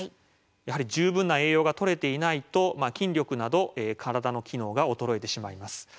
やはり十分な栄養がとれていないと筋力など体の機能が衰えてしまいます。